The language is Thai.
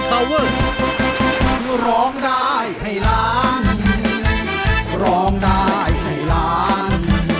ก็ร้องได้ให้ร้าน